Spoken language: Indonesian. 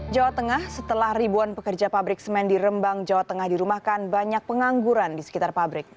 jawa tengah setelah ribuan pekerja pabrik semen di rembang jawa tengah dirumahkan banyak pengangguran di sekitar pabrik